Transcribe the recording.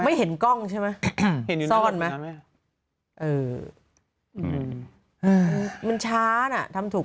เห็นกล้องใช่ไหมเห็นซ่อนไหมเอออืมมันช้าน่ะทำถูก